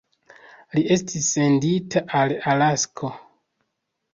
Li estis sendita al Alasko.